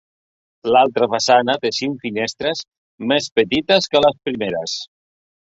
L'altra façana té cinc finestres més petites que les primeres.